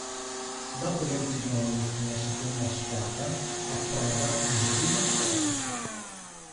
Dopo molti gol con la seconda squadra approda in prima squadra.